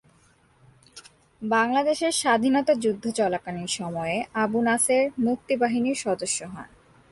বাংলাদেশের স্বাধীনতা যুদ্ধ চলাকালীন সময়ে আবু নাসের মুক্তি বাহিনীর সদস্য হন।